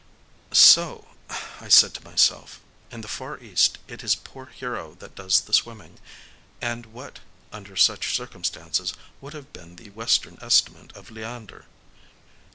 —"So," I said to myself, "in the Far East, it is poor Hero that does the swimming. And what, under such circumstances, would have been the Western estimate of Leander?"